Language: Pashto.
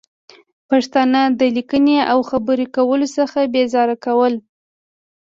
پښتانه د لیکنې او خبرې کولو څخه بې زاره کول